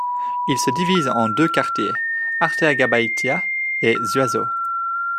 Il se divise en deux quartiers: Arteagabeitia et Zuazo.